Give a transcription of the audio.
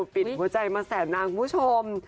ปิดหัวใจมาแสนนางคุณผู้ชม